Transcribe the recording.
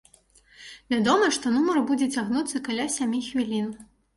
Вядома, што нумар будзе цягнуцца каля сямі хвілін.